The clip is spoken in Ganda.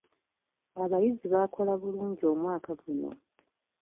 Abayizi baakola bulungi omwaka guno.